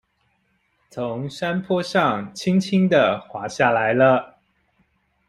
從山坡上輕輕的滑下來了